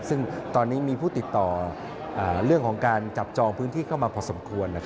ซึ่งตอนนี้มีผู้ติดต่อเรื่องของการจับจองพื้นที่เข้ามาพอสมควร